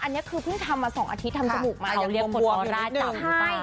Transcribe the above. อันนี้คือเพิ่งทำมา๒อาทิตย์ทำจมูกมาเขาเลี้ยงคนออร่าจำให้